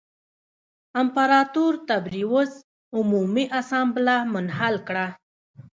امپراتور تبریوس عمومي اسامبله منحل کړه